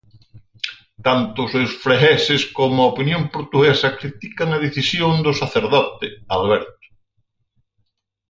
Tanto os seus fregueses como a opinión portuguesa critican a decisión do sacerdote, Alberto...